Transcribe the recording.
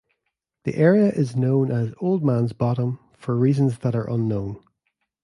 The area is known as "old man's" "bottom" for reasons that are unknown.